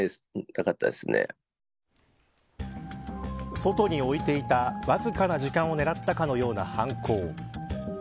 外に置いていたわずかな時間を狙ったかのような犯行。